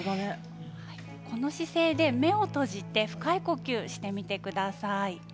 この姿勢で目を閉じて深い呼吸をしてみてください。